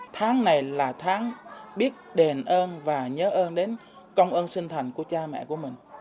tháng này là tháng biết đền ơn và nhớ ơn đến công ơn sinh thành của cha mẹ của mình